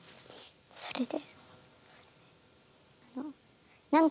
それで。